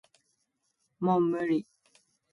もう無理